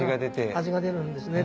味が出るんですね。